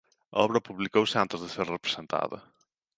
A obra publicouse antes de ser representada.